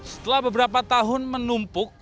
setelah beberapa tahun menumpuk